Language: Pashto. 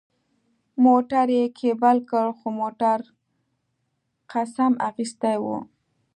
موټر یې کېبل کړ، خو موټر قسم اخیستی و.